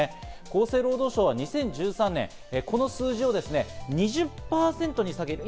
厚生労働省は２０１３年、この数字を２０％に下げて。